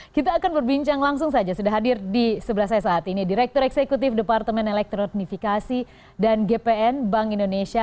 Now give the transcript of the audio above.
kita akan berbincang langsung saja sudah hadir di sebelah saya saat ini direktur eksekutif departemen elektronifikasi dan gpn bank indonesia